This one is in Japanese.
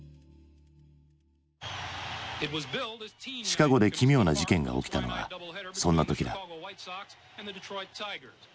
シカゴで奇妙な事件が起きたのはそんな時だ。